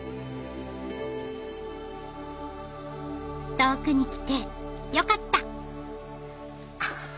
遠くに来てよかったアハハ。